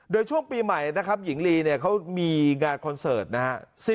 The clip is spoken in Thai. โดยช่วงปีใหม่นะครับหญิงลีเนี่ยเขามีงานคอนเสิร์ตนะฮะ